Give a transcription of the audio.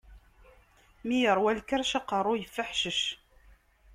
Mi iṛwa lkerc, aqeṛṛu ifeḥcec.